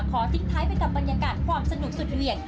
ทิ้งท้ายไปกับบรรยากาศความสนุกสุดเหวี่ยง